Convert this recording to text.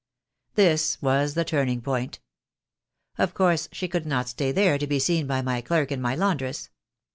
This was the turning point. Of course she could not stay there to be seen by my clerk and my laundress.